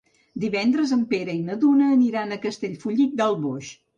Divendres en Pere i na Duna aniran a Castellfollit del Boix.